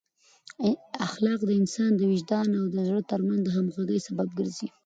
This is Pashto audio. اخلاق د انسان د وجدان او زړه ترمنځ د همغږۍ سبب ګرځي.